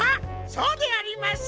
そうであります！